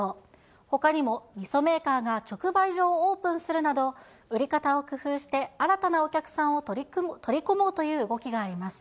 ほかにも、みそメーカーが直売所をオープンするなど、売り方を工夫して新たなお客さんを取り込もうという動きがあります。